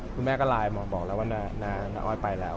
คุณแม่ก็ไลน์บอกนาอ้อยไปแล้ว